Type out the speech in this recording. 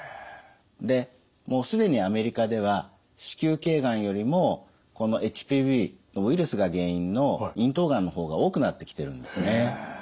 でもう既にアメリカでは子宮頸がんよりもＨＰＶのウイルスが原因の咽頭がんの方が多くなってきてるんですね。